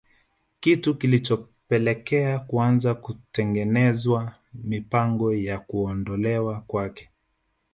Kitu kilichopelekea kuanza kutengenezwa mipango ya kuondolewa kwake